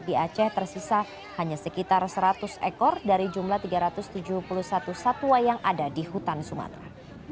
di aceh tersisa hanya sekitar seratus ekor dari jumlah tiga ratus tujuh puluh satu satwa yang ada di hutan sumatera